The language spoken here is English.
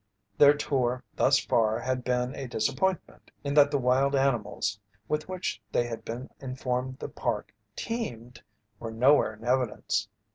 Their tour thus far had been a disappointment in that the wild animals, with which they had been informed the Park teemed, were nowhere in evidence.